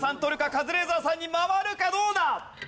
カズレーザーさんに回るかどうだ？